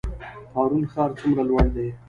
پارون ښار څومره لوړ دی؟